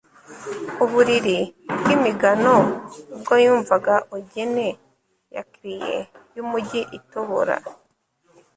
uburiri bw'imigano ubwo yumvaga ogene ya crier yumujyi itobora